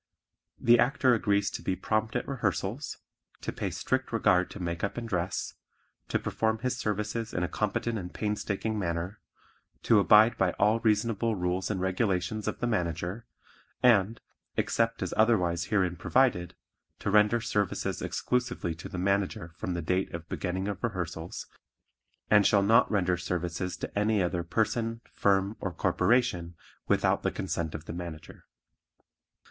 The Actor agrees to be prompt at rehearsals, to pay strict regard to makeup and dress, to perform his services in a competent and painstaking manner, to abide by all reasonable rules and regulations of the Manager, and, except as otherwise herein provided, to render services exclusively to the Manager from the date of beginning of rehearsals, and shall not render services to any other person, firm or corporation without the consent of the Manager.